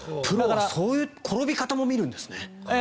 プロはそういう転び方も見るんですね。